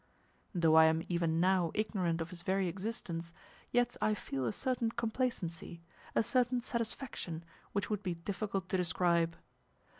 Though I am even now ignorant of his very existence, yet I feel a certain complacency, a certain satisfaction which would be difficult to describe.